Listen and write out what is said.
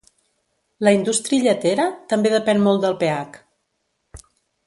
La indústria lletera també depèn molt del pH.